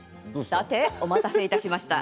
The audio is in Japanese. さてお待たせしました。